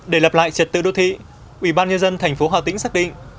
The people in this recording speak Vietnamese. để lập lại trật tự đô thị ubnd tp hcm xác định